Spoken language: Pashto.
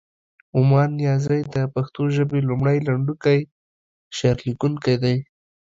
ومان نیازی د پښتو ژبې لومړی، لنډکی شعر لیکونکی دی.